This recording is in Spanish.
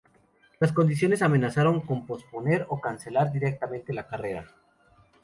Las condiciones amenazaron con posponer o cancelar directamente la carrera.